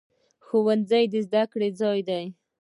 ښوونځی د زده کړې ځای دی